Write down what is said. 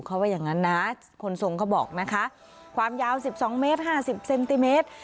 เขาว่าอย่างนั้นนะคนทรงเขาบอกนะคะความยาว๑๒เมตรห้าสิบเซนติเมตร